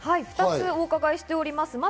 ２つお伺いしております。